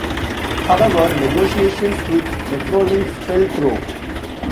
However, negotiations with Metrolinx fell through.